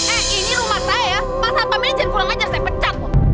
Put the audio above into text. eh ini rumah saya pasal pemilin jangan kurang ajar saya pecat bu